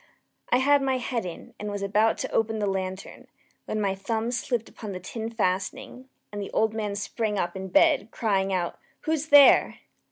I had my head in, and was about to open the lantern, when my thumb slipped upon the tin fastening, and the old man sprang up in bed, crying out "Who's there?"